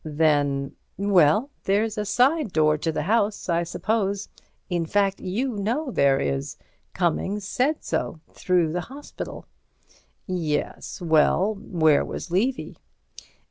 "Then—" "Well—there's a side door to the house, I suppose—in fact, you know there is—Cummings said so—through the hospital." "Yes—well, where was Levy?"